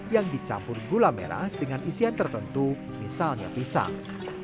yang dicampur gula merah dengan isian tertentu misalnya pisang